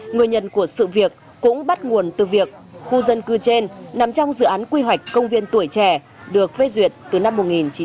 nguyên nhân của sự việc cũng bắt nguồn từ việc khu dân cư trên nằm trong dự án quy hoạch công viên tuổi trẻ được phê duyệt từ năm một nghìn chín trăm bảy mươi